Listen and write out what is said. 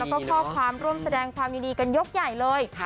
แล้วก็ข้อความร่วมแสดงความยินดีกันยกใหญ่เลย